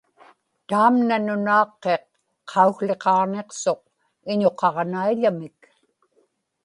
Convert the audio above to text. taamna nunaaqqiq qaukłiqaġniqsuq iñuqaġnaiḷamik